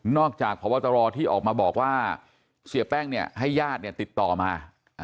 นอกจากพฤตรจรที่ก็มาบอกว่าเสียแป้งให้ญาติติดต่อมา